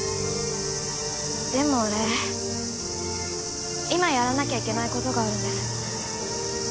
でも俺今やらなきゃいけないことがあるんです。